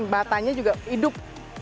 batanya juga hidup